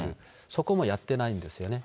そこもやってないんですよね。